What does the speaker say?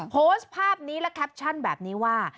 โพสต์ภาพนี้และแคปชั่นแบบนี้ว่า